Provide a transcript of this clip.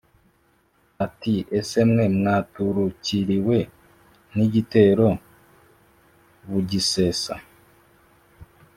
Ati: "Ese mwe mwaturukiriwe n'igitero bugisesa,